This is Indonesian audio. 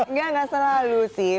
nggak nggak selalu sih